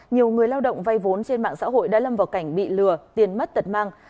nhiều người lao động vay vốn trên mạng xã hội đã lâm vào cảnh bị lừa tiền mất tật mang